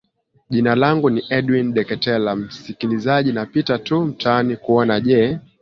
jina langu ni edwin deketela msikilizaji napita tu mtaani kuona je